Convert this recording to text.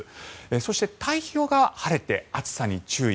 そして、太平洋側晴れて暑さに注意。